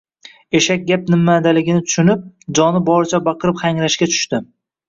Eshak gap nimadaligini tushunib, joni boricha baqirib-hangrashga tushdi